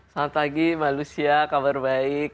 selamat pagi mbak lucia kabar baik